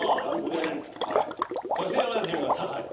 そして山田チームが酒井。